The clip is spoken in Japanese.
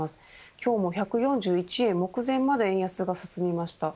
今日も１４１円目前まで円安が進みました。